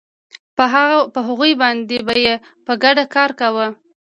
په هغوی باندې به یې په ګډه کار کاوه